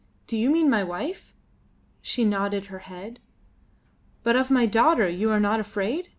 "Do you mean my wife?" She nodded her head. "But of my daughter you are not afraid?"